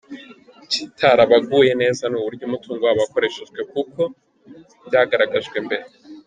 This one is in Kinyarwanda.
Ikitarabaguye neza ni uburyo umutungo wabo wakoreshejwe kuko byagaragajwe mbere.